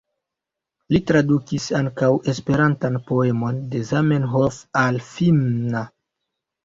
Li tradukis ankaŭ esperantan poemon de Zamenhof al finna.